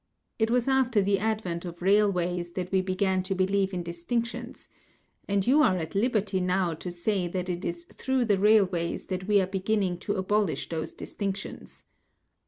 It was after the advent of railways that we began to believe in distinctions, and you are at liberty now to say that it is through the railways that we are beginning to abolish those distinctions.